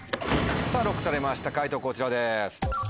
さぁＬＯＣＫされました解答こちらです。